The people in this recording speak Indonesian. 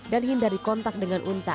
dan hindari kontak dengan unta